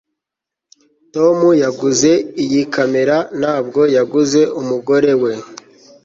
tom yaguze iyi kamera, ntabwo yaguze umugore we